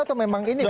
atau memang ini